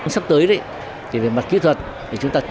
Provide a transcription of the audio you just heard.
sắp tới thì về mặt kỹ thuật chúng ta tiếp tục